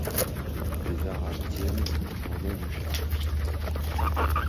Des arabes tiennent les cordons du char.